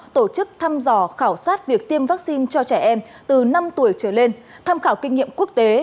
tổ chức thăm dò khảo sát việc tiêm vaccine cho trẻ em từ năm tuổi trở lên tham khảo kinh nghiệm quốc tế